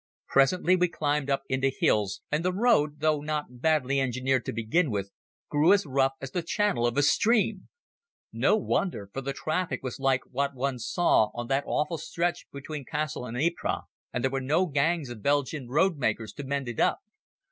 Presently we climbed up into hills, and the road, though not badly engineered to begin with, grew as rough as the channel of a stream. No wonder, for the traffic was like what one saw on that awful stretch between Cassel and Ypres, and there were no gangs of Belgian roadmakers to mend it up.